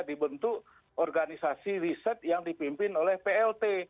dibentuk organisasi riset yang dipimpin oleh plt